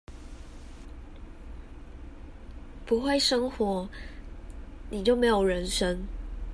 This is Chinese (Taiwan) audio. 不會生活，你就沒有人生